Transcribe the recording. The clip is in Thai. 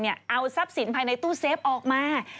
เอาทรัพย์สินภายในตู้เซฟออกมา